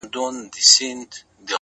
ه ياره په ژړا نه کيږي ـ